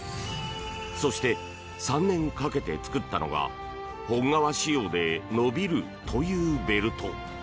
そして、３年かけて作ったのが本革仕様で伸びるというベルト。